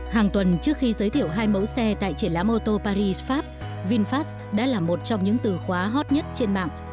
hàng tuần trước khi giới thiệu hai mẫu xe tại triển lãm ô tô paris fab vinfast đã là một trong những từ khóa hot nhất trên mạng